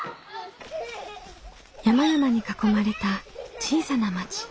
山々に囲まれた小さな町。